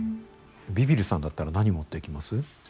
ビビるさんだったら何持っていきます？